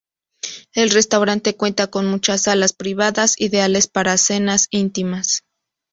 El restaurante cuenta con muchas salas privadas, ideales para cenas íntimas.